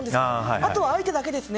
あとは相手だけですね。